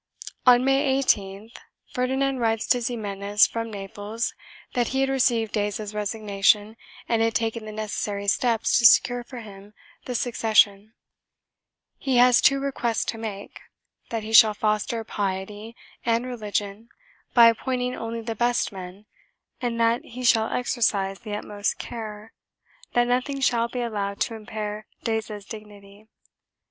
On May 18th Ferdinand writes to Ximenes from Naples that he had received Deza's resignation and had taken the necessary steps to secure for him the succession ; he has two requests to make — that he shall foster piety and religion by appointing only the best men and that he shall exercise the utmost care that nothing shall be allowed to impair Deza's dignity.